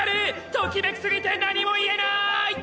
ときめき過ぎて何も言えない！